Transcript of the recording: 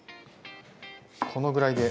このぐらいで？